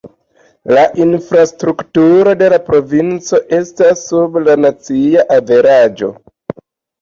La infrastrukturo de la provinco estas sub la nacia averaĝo.